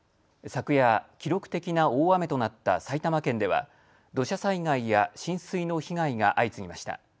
昨夜、記録的な大雨となった埼玉県では土砂災害や浸水の被害が相次ぎました。